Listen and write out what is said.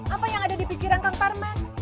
apa yang ada di pinggiran kang parman